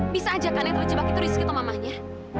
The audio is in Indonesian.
bisa aja kan yang terjebak itu rizky tuh mamanya